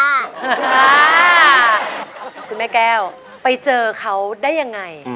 คุณแม่แก้วไปเจอเขาได้ยังไง